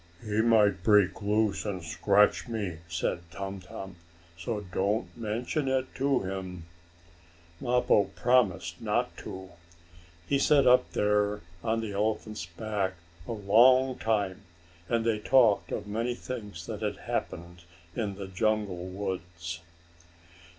"He might break loose, and scratch me," said Tum Tum. "So don't mention it to him." Mappo promised not to. He sat up there on the elephant's back a long time, and they talked of many things that had happened in the jungle woods.